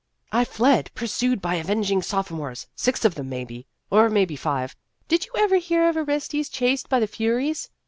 u I fled, pursued by avenging sopho mores six of them, maybe. Or maybe, five. Did you ever hear of Orestes chased by the Furies?